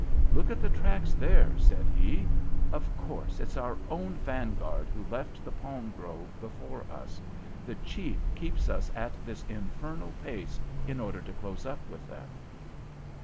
"Look at the tracks there," said he; "of course, it's our own vanguard who left the palm grove before us. The chief keeps us at this infernal pace in order to close up with them."